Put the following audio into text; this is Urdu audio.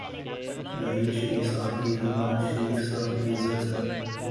راحیل شریف صاحب کی عزت نوازشریف صاحب کی عزت ہے۔